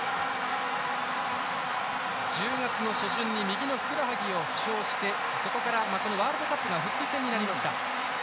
１０月の初旬に右のふくらはぎを故障して、ワールドカップが復帰戦になりました。